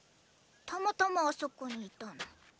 たまたまあそこにいたの。